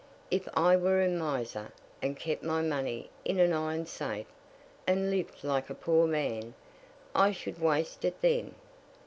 If I were a miser, and kept my money in an iron safe, and lived like a poor man, I should waste it then."